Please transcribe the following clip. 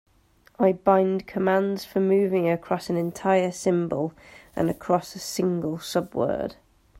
I bind commands for moving across an entire symbol and across a single subword.